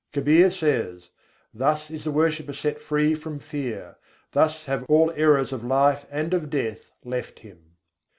Kabîr says: "Thus is the worshipper set free from fear; thus have all errors of life and of death left him."